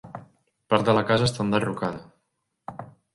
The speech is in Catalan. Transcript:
Part de la casa està enderrocada.